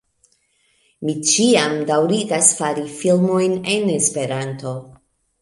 Mi ĉiam daŭrigas fari filmojn en Esperanto